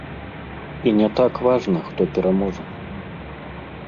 І не так важна, хто пераможа.